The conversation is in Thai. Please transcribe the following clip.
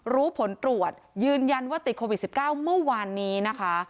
รู้ผลตรวจยืนยันว่าติดโควิด๑๙เมื่อวานนี้นะคะ